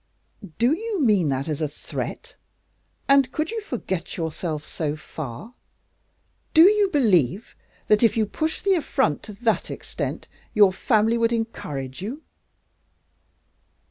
"Do you mean that as a threat, and could you forget yourself so far? Do you believe that, if you push the affront to that extent, your family would encourage you?"